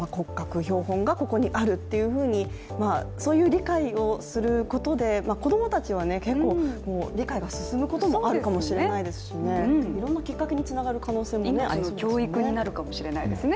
標本がここにあるというふうにそういう理解をすることで、子供たちは結構、理解が進むこともあるかもしれないですしいろんなきっかけにつながる可能性もありそうですね。